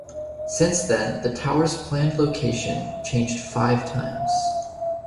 Since then, the tower's planned location changed five times.